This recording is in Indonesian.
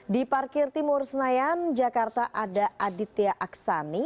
di parkir timur senayan jakarta ada aditya aksani